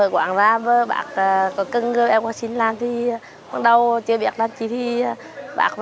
còn cái kia thương em